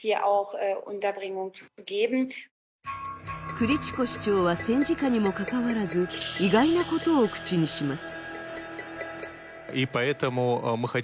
クリチコ市長は戦時下にも関わらず、意外なことを口にします。